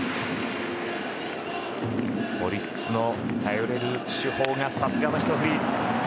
オリックスの頼れる主砲がさすがのひと振り。